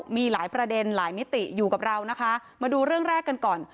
มีหลายประเด็นหลายมิติอยู่กับเรานะคะมาดูเรื่องแรกกันก่อน